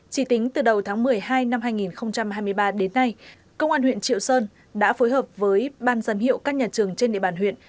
chỉ tính từ đầu tháng một mươi hai năm hai nghìn hai mươi ba đến nay công an huyện triệu sơn đã phối hợp với ban giám hiệu các nhà trường trên địa bàn huyện